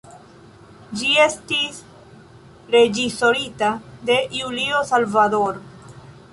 Ĝi estis reĝisorita de Julio Salvador.